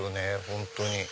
本当に。